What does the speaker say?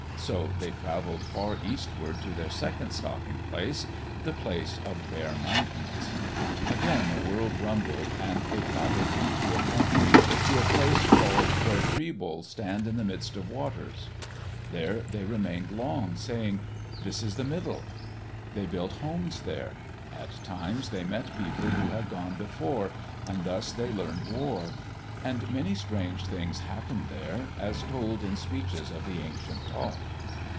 So they travelled far eastward to their second stopping place, the Place of Bare Mountains. Again the world rumbled, and they travelled into a country to a place called Where tree boles stand in the midst of waters. There they remained long, saying, "This is the Middle." They built homes there. At times they met people who had gone before, and thus they learned war. And many strange things happened there, as told in speeches of the ancient talk.